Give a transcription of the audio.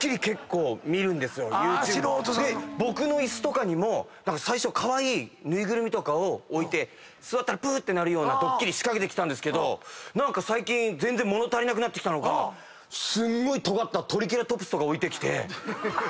で僕の椅子にも最初カワイイ縫いぐるみとかを置いて座ったらプー！って鳴るようなドッキリ仕掛けてきたんですけど最近全然物足りなくなってきたのかすんごいとがったトリケラトプスとか置いてきて。